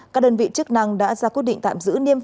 các đơn vị chức năng đã ra quyết định tạm giữ niêm